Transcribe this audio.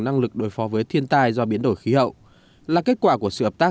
năng lực đối phó với thiên tai do biến đổi khí hậu là kết quả của sự hợp tác